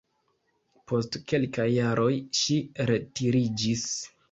Post kelkaj jaroj ŝi retiriĝis.